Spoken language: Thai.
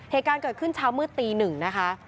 เหตุการณ์เกิดขึ้นเช้ามืดตีหนึ่งนะคะ